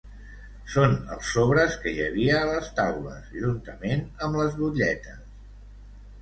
Són els sobres que hi havia a les taules, juntament amb les butlletes.